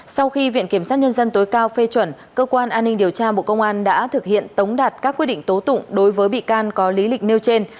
sau khi viện kiểm sát nhân dân tối cao phê chuẩn cơ quan an ninh điều tra bộ công an đã thực hiện tống đạt các quyết định tố tụng đối với bị can có lý lịch nêu trên